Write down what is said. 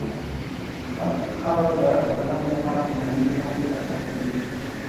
خاوره د افغانانو لپاره په معنوي لحاظ ډېر ارزښت لري.